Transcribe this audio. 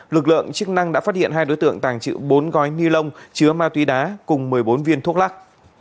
lực lượng chức năng đã phát hiện hai đối tượng tàng trữ bốn gói ni lông chứa ma túy đá cùng một mươi bốn viên thuốc lắc